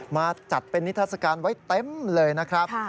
มาจัดเป็นนิทัศกาลไว้เต็มเลยนะครับ